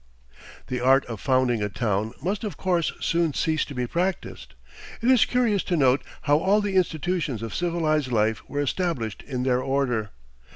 The art of founding a town must of course soon cease to be practiced. It is curious to note how all the institutions of civilized life were established in their order.